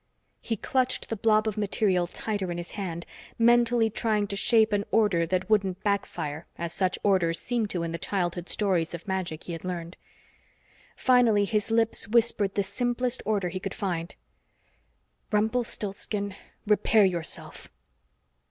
He clutched the blob of material tighter in his hand, mentally trying to shape an order that wouldn't backfire, as such orders seemed to in the childhood stories of magic he had learned. Finally his lips whispered the simplest order he could find. "Rumpelstilsken, repair yourself!"